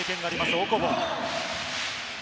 オコボ。